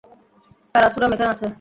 পারাসুরাম এখানে আছে?